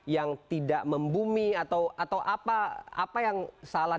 yang tidak membumi atau apa yang salah